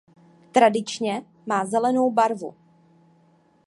Tradičně má zelenou barvu.